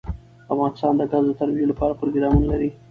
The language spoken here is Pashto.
افغانستان د ګاز د ترویج لپاره پروګرامونه لري.